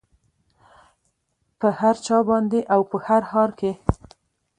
په هر چا باندې او په هر ښار کې